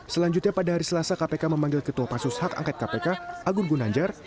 selanjutnya pada hari selasa kpk memanggil ketua pasus hak angkat kpk agung gunanjar